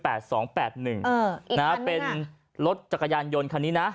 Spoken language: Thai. อีกคันนึงค่ะเป็นรถจักรยานยนต์คันนี้นะ